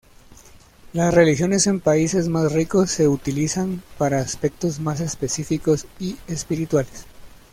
Las religiones en países más ricos se utilizan para aspectos más específicos y espirituales.